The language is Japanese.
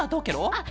あっ！